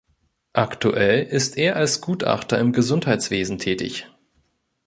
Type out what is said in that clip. Aktuell ist er als Gutachter im Gesundheitswesen tätig.